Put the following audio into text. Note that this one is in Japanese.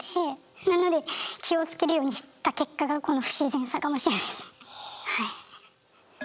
なので気をつけるようにした結果がこの不自然さかもしれないですねはい。